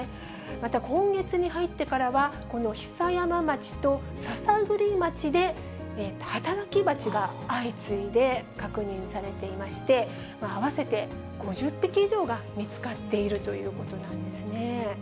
また今月に入ってからは、この久山町と篠栗町で働き蜂が相次いで確認されていまして、合わせて５０匹以上が見つかっているということなんですね。